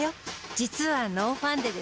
実はノーファンデです。